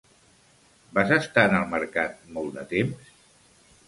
Vas estar en el mercat molt de temps?